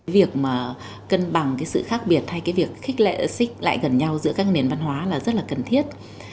việc mà cân bằng cái sự khác biệt hay cái việc khích lệ xích lại gần nhau giữa các nền văn hóa là rất là cần thiết